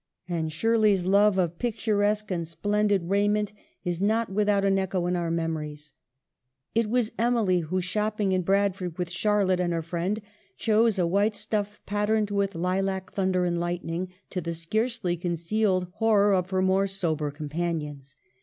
And Shirley's love of picturesque and splendid raiment is not without an echo in our memories. It was Emily who, shopping in Bradford with Charlotte and her friend, chose a white stuff pat terned with lilac thunder and lightning, to the scarcely concealed horror of her more sober com panions.